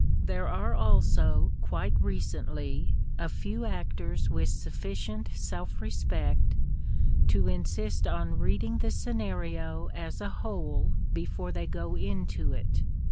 There are also, quite recently, a few actors with sufficient self respect to insist on read ing the scenario as a whole before they go into it.